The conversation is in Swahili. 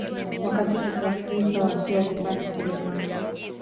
wakati toto africa wakiwa nyumbani kule mwanza